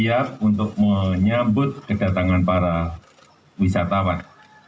siap untuk menyambut kedatangan para wisatawan